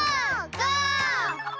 ゴー！